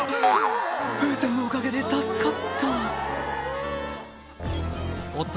風船のおかげで助かったおっと